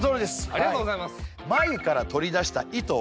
ありがとうございます。